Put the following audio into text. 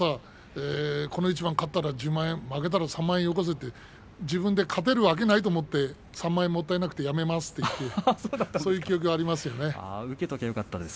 この一番勝ったら１０万円負けたら３万円よこすと自分で勝てるわけないと思ってもったいなくてやめますと言った記憶があります。